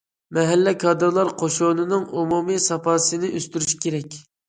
مەھەللە كادىرلار قوشۇنىنىڭ ئومۇمىي ساپاسىنى ئۆستۈرۈش كېرەك.